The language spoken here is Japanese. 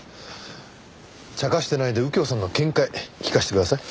茶化してないで右京さんの見解聞かせてください。